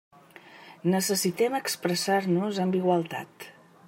Necessitem expressar-nos amb igualtat.